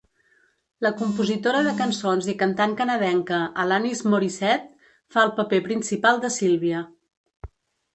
La compositora de cançons i cantant canadenca Alanis Morissette fa el paper principal de Sylvia.